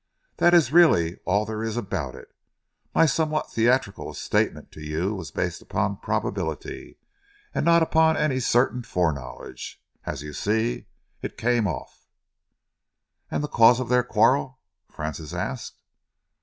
That is really all there is about it. My somewhat theatrical statement to you was based upon probability, and not upon any certain foreknowledge. As you see, it came off." "And the cause of their quarrel?" Francis asked.